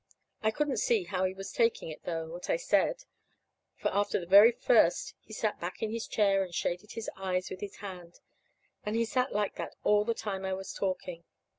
I couldn't see how he was taking it, though what I said for after the very first he sat back in his chair and shaded his eyes with his hand; and he sat like that all the time I was talking.